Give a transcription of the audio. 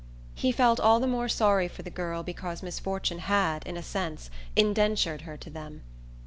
He felt all the more sorry for the girl because misfortune had, in a sense, indentured her to them.